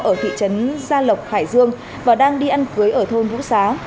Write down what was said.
ở thị trấn gia lộc hải dương và đang đi ăn cưới ở thôn vũ xá